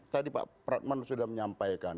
tadi pak pratman sudah menyampaikan